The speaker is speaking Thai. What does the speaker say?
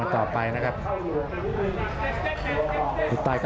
อัศวินาศาสตร์